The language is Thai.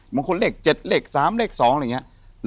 บางคนเลข๗เลข๓เลข๒อะไรอย่างนี้